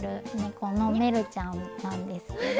このメルちゃんなんですけど。